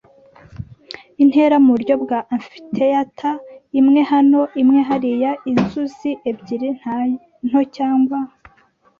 intera muburyo bwa amphitheater, imwe hano, imwe hariya. Inzuzi ebyiri nto, cyangwa